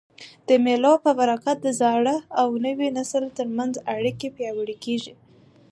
د مېلو په برکت د زاړه او نوي نسل تر منځ اړیکي پیاوړي کېږي.